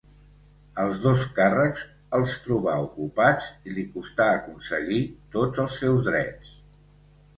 Els dos càrrecs els trobà ocupats i li costà aconseguir tots els seus drets.